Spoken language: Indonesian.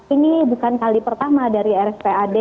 ini bukan kali pertama dari rs pad